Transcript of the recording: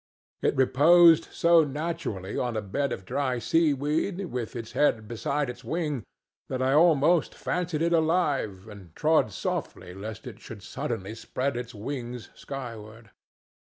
It reposed so naturally on a bed of dry seaweed, with its head beside its wing, that I almost fancied it alive, and trod softly lest it should suddenly spread its wings skyward.